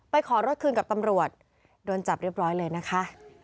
ขอรถคืนกับตำรวจโดนจับเรียบร้อยเลยนะคะ